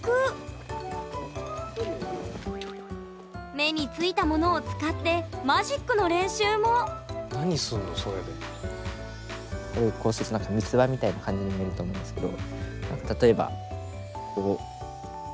目についたものを使ってマジックの練習もこうしてると何か三つ葉みたいな感じに見えると思うんですけど。